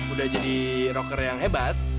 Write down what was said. udah jadi rocker yang hebat